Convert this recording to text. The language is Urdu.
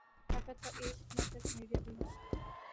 طاقت کا ایک مرکز میڈیا بھی ہے۔